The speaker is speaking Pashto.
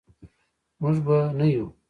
موږ به نه یو.